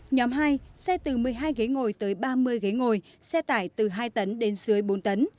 nhóm hai xe từ một mươi hai ghế ngồi tới ba mươi ghế ngồi xe tải từ hai tấn đến dưới bốn tấn